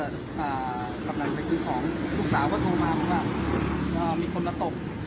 ตอนนี้กำหนังไปคุยของผู้สาวว่ามีคนละตบ